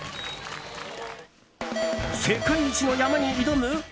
世界一の山に挑む？